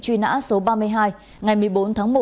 truy nã số ba mươi hai ngày một mươi bốn tháng một